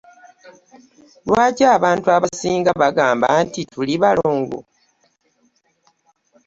Lwaki abantu abasinga bagamba nti tuli balongo.